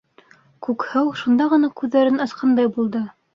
- Күкһыу шунда ғына күҙҙәрен асҡандай булды.